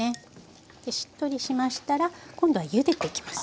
しっとりしましたら今度はゆでていきます。